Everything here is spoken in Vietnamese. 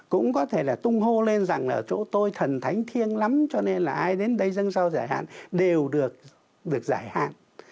cũng có thể là tung hô lên rằng ở chỗ tôi thần thánh thiêng lắm cho nên là ai đến đây dân sao giải hạn đều được giải hạn